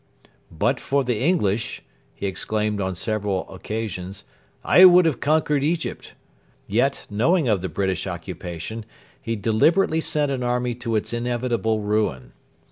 'But for the English,' he exclaimed on several occasions, 'I would have conquered Egypt.' Yet, knowing of the British occupation, he deliberately sent an army to its inevitable ruin.